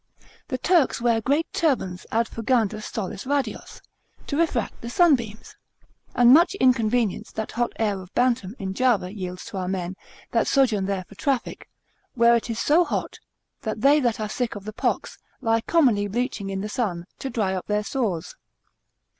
The Turks wear great turbans ad fugandos solis radios, to refract the sunbeams; and much inconvenience that hot air of Bantam in Java yields to our men, that sojourn there for traffic; where it is so hot, that they that are sick of the pox, lie commonly bleaching in the sun, to dry up their sores.